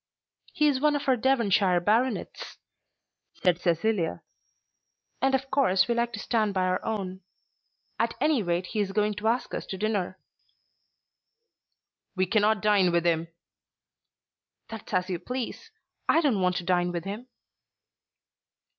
"He is one of our Devonshire baronets," said Cecilia, "and of course we like to stand by our own. At any rate he is going to ask us to dinner." "We cannot dine with him." "That's as you please. I don't want to dine with him."